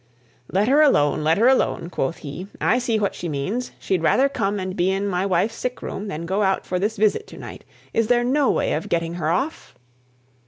"Let her alone! let her alone!" quoth he. "I see what she means. She'd rather come and be in my wife's sick room than go out for this visit to night. Is there no way of getting her off?"